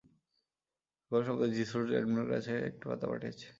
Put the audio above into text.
Google সম্প্রতি G Suite অ্যাডমিনদের কাছে একটি বার্তা পাঠিয়েছে।